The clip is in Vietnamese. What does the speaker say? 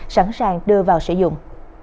sẵn sàng đưa vào sử dụng